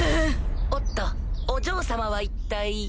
おっとお嬢様は一体。